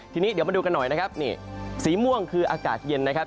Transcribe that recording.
ทีนี้เดี๋ยวมาดูกันหน่อยนะครับนี่สีม่วงคืออากาศเย็นนะครับ